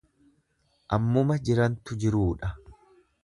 Ammuma jirantu jiruudha.